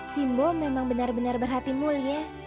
simbo memang benar benar berhati mulia